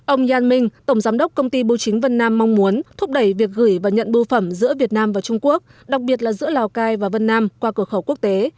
ông yann minh tổng giám đốc công ty bưu chính vân nam mong muốn thúc đẩy việc gửi và nhận bưu phẩm giữa việt nam và trung quốc đặc biệt là giữa lào cai và vân nam qua cửa khẩu quốc tế